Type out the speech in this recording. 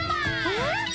えっ？